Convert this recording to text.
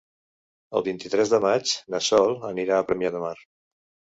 El vint-i-tres de maig na Sol anirà a Premià de Mar.